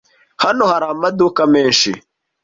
Hano hari amaduka menshi.